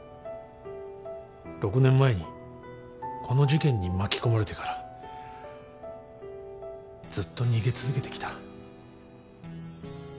６年前にこの事件に巻き込まれてからずっと逃げ続けてきた。